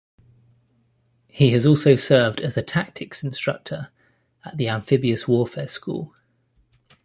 He has also served as a tactics instructor at the Amphibious Warfare School.